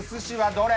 どれ！？